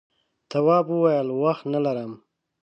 تواب وویل وخت نه لرم.